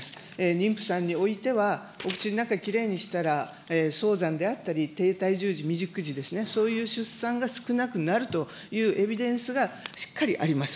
妊婦さんにおいては、お口の中、きれいにしたら、早産であったり、低体重児、未熟児ですね、そういう出産が少なくなるというエビデンスがしっかりあります。